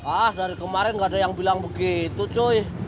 ah dari kemarin gak ada yang bilang begitu joy